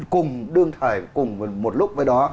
cùng đương thời cùng một lúc với đó